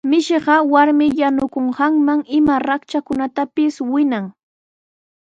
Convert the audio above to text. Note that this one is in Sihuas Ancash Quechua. Mishiqa warmi yanukunqanman ima raktrakunatapis winan.